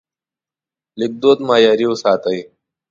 لیکدود معیاري وساتئ.